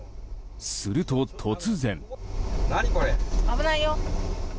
すると、突然。